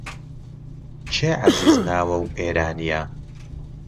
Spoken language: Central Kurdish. کێ عەزیز ناوە و ئێرانییە؟